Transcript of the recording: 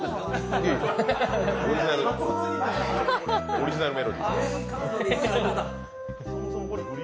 オリジナルメロディー。